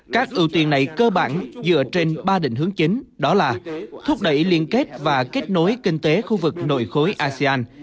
các ưu tiên này cơ bản dựa trên ba định hướng chính đó là thúc đẩy liên kết và kết nối kinh tế khu vực nội khối asean